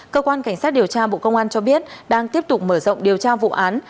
cơ quan cảnh sát điều tra bộ công an cho biết đang tiếp tục mở rộng điều tra vụ án